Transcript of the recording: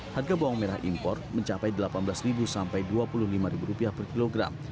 harga bawang merah impor mencapai delapan belas ribu sampai dua puluh lima ribu rupiah per kilogram